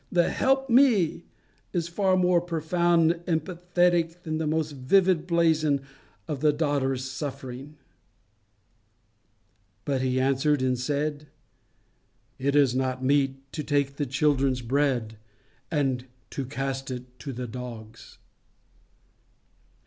The "Help me" is far more profound and pathetic than the most vivid blazon of the daughter's sufferings. But he answered and said, "It is not meet to take the children's bread, and to cast it to dogs."